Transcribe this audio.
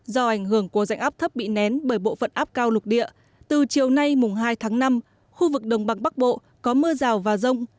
do ảnh hưởng của rãnh áp thấp bị nén bởi bộ phận áp cao lục địa từ chiều nay mùng hai tháng năm khu vực đồng bằng bắc bộ có mưa rào và rông